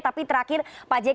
tapi terakhir pak jk